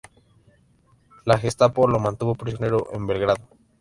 La Gestapo lo mantuvo prisionero en Belgrado.